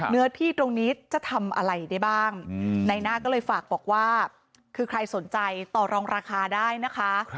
เนื้อที่ตรงนี้จะทำอะไรได้บ้างในหน้าก็เลยฝากบอกว่าคือใครสนใจต่อรองราคาได้นะคะ